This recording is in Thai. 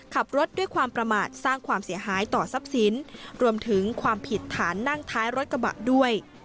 ขับรถด้วยความประมาทสร้างความเสียหายต่อทรัพย์สินรวมถึงความผิดฐานนั่งท้ายรถกระบะด้วย